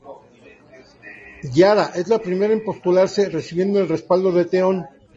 Yara es la primera en postularse, recibiendo el respaldo de Theon.